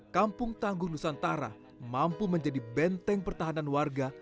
kampung tangguh nusantara mampu menjadi benteng pertahanan warga